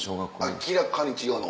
明らかに違うの？